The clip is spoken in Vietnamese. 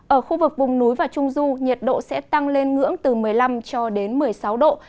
ở khu vực vùng núi và trung du nhiệt độ sẽ tăng lên ngưỡng từ một mươi năm cho đến một mươi sáu độ